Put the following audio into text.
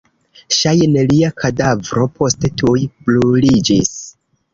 Ŝajne lia kadavro poste tuj bruliĝis.